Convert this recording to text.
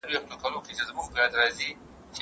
د انسان چلند د وړاندوینې وړ نه دی.